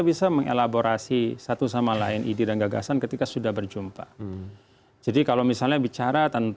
bisa mengelaborasi satu sama lain ide dan gagasan ketika sudah berjumpa jadi kalau misalnya bicara